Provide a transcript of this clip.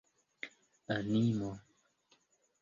animo